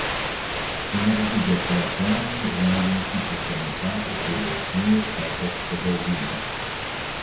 Kunordigas la teamon la Olimpika Komitato de Bosnio kaj Hercegovino.